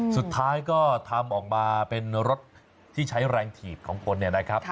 สุดท้ายก็ทำออกมาเป็นรถที่ใช้แรงถีบของคนเนี่ยนะครับ